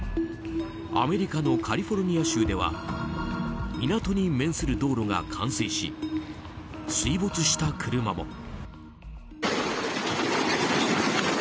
アメリカのカリフォルニア州では港に面する道路が冠水し水没した車も。